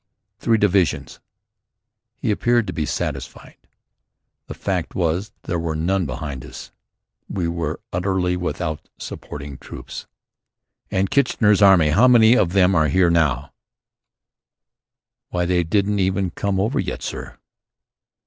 "Three divisions." He appeared to be satisfied. The fact was, there were none behind us. We were utterly without supporting troops. "And Kitchener's Army? How many of them are there here?" "Why, they haven't even come over yet, sir."